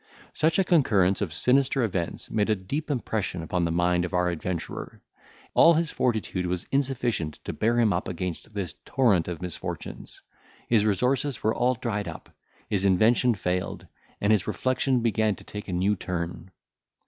Such a concurrence of sinister events made a deep impression upon the mind of our adventurer. All his fortitude was insufficient to bear him up against this torrent of misfortunes; his resources were all dried up, his invention failed, and his reflection began to take a new turn.